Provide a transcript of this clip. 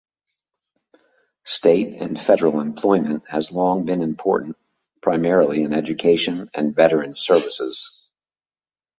State and federal employment has long been important, primarily in education and veterans' services.